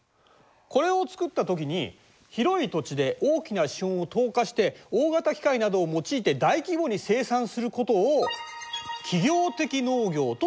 これを作ったときに広い土地で大きな資本を投下して大型機械などを用いて大規模に生産することをなるほど。